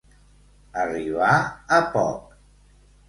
Arribar a poc.